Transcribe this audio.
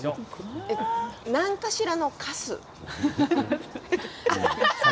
何かしらのかす？